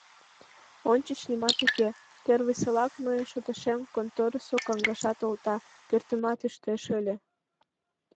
Ончыч нимат уке, первыйсылак, мыйын шотешем конторысо коҥгашат олта, пӧртымат ӱштеш ыле.